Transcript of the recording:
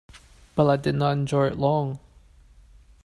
But I did not enjoy it long.